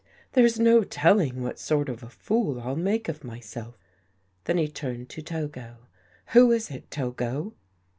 " There's no telling what sort of a fool I'll make of myself." Then he turned to Togo. " Who is it, Togo?